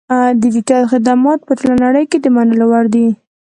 ډیجیټل خدمات په ټوله نړۍ کې د منلو وړ دي.